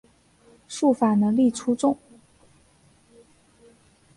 术法能力出众。